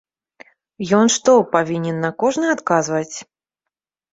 Ён што, павінен на кожны адказваць?